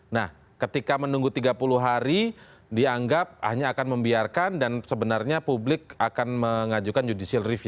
nah ketika menunggu tiga puluh hari dianggap hanya akan membiarkan dan sebenarnya publik akan mengajukan judicial review